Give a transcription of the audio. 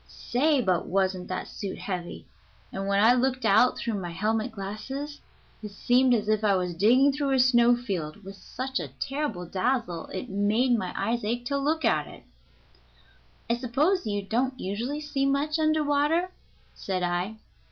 Say, but wasn't that suit heavy, and when I looked out through my helmet glasses it seemed as if I was digging through a snow field, with such a terrible dazzle it made my eyes ache to look at it." "I suppose you don't usually see much under water?" said I.